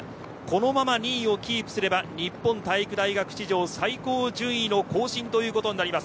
このまま２位をキープすると日本体育大学史上最高順位の更新となります。